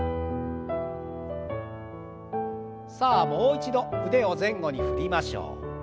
さあもう一度腕を前後に振りましょう。